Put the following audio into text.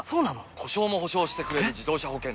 故障も補償してくれる自動車保険といえば？